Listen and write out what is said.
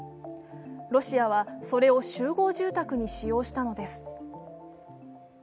ロシアはそれを集合住宅に使用したのです。